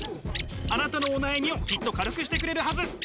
あなたのお悩みをきっと軽くしてくれるはず。